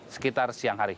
sekitar siang hari